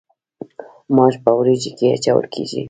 ماش په وریجو کې اچول کیږي.